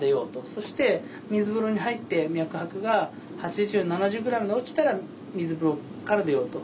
そして水風呂に入って脈拍が８０７０ぐらいまで落ちたら水風呂から出ようと。